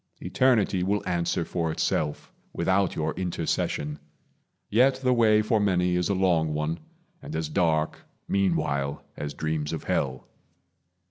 Eternity will answer for itself, Without your intercession; yet the way For many is a long one, and as dark, Meanwhile, as dreams of hell.